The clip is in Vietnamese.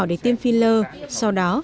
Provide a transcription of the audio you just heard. để tiêm filler sau đó